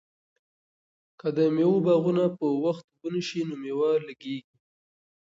که د مېوو باغونه په وخت اوبه نشي نو مېوه لږیږي.